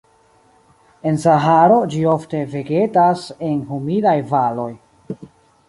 En Saharo, ĝi ofte vegetas en humidaj valoj.